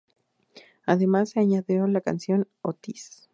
Además se añadió la canción "Otis".